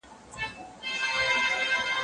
فرشتې سوې په لعنت ویلو ستړي